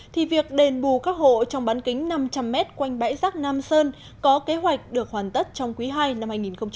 thì việc đền bù các hộ trong bán kính năm trăm linh m quanh bãi rác nam sơn có kế hoạch được hoàn tất trong quý ii năm hai nghìn hai mươi